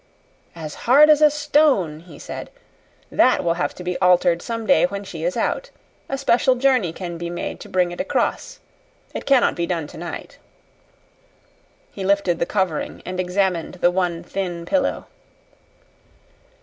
"As hard as a stone," he said. "That will have to be altered some day when she is out. A special journey can be made to bring it across. It cannot be done tonight." He lifted the covering and examined the one thin pillow.